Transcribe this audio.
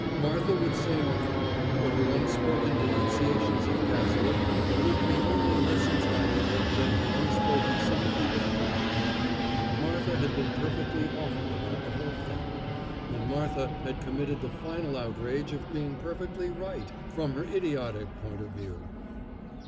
Martha would say nothing, but her unspoken denunciations of Cazalet would be only less intolerable than her unspoken sympathy with Blanche. Martha had been perfectly awful about the whole thing. And Martha had committed the final outrage of being perfectly right, from her idiotic point of view.